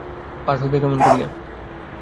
পার হইবে কেমন করিয়া।